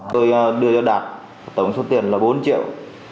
tôi đưa cho đạt tổng số tiền là bốn triệu